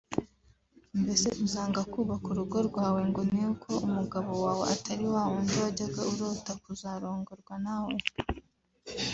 Mbese uzanga kubaka urugo rwawe ngo ni uko umugabo wawe atari wa wundi wajyaga urota kuzarongorwa na we